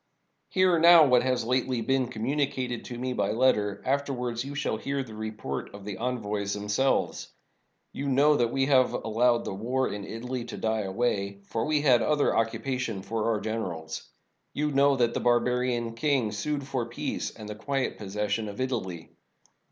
— Hear now what has lately been commimicated to me by letter; afterwards you shall hear the report of the envoys themselves. You know that we have allowed the war in Italy to die away — for we had other occupa tion for our generals. You know that the barbarian king sued for peace and the quiet possession of Italy.